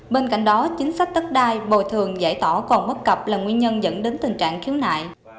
bên cạnh đó chính sách đất đai bồi thường giải tỏa còn bất cập là nguyên nhân dẫn đến tình trạng khiếu nại